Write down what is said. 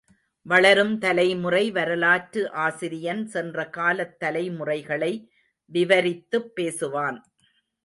வளரும் தலைமுறை வரலாற்று ஆசிரியன் சென்ற காலத் தலைமுறைகளை விவரித்துப் பேசுவான்.